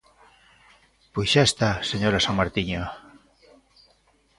Pois xa está, señora Samartiño.